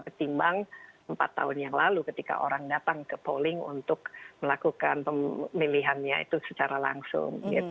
ketimbang empat tahun yang lalu ketika orang datang ke polling untuk melakukan pemilihannya itu secara langsung